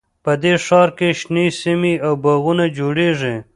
په دې ښار کې شنې سیمې او باغونه جوړیږي